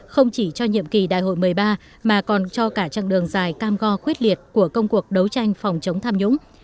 không chỉ cho nhiệm kỳ đại hội một mươi ba mà còn cho cả chặng đường dài cam go quyết liệt của công cuộc đấu tranh phòng chống tham nhũng